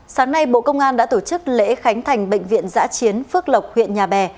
sáng nay bộ công an đã tổ chức lễ khánh thành bệnh viện giã chiến phước lộc huyện nhà bè